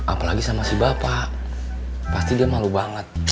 apalagi sama si bapak pasti dia malu banget